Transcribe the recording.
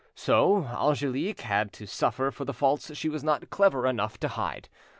So Angelique had to suffer for the faults she was not clever enough to hide.